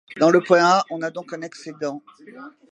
Dans le point A, on a donc un excédent.